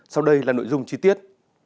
sau đây là nội dung chi tiết